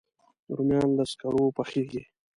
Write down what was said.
رومیان له سکرو پخېږي